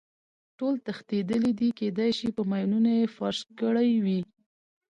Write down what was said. ټول تښتېدلي دي، کېدای شي په ماینونو یې فرش کړی وي.